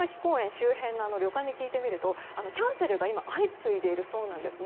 周辺の旅館に聞いてみるとキャンセルが今相次いでいるそうなんですね。